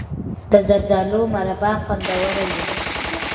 د زردالو مربا خوندوره وي.